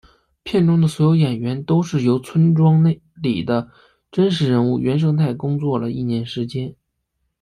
片中的所有演员都是由村庄里的真实人物原生态工作了一年时间。